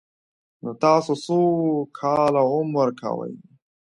_نو تاسو څو کاله عمر کوئ؟